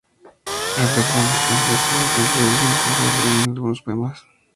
Reflejó, no obstante, su conservadurismo social en algunos poemas.